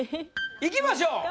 いきましょう。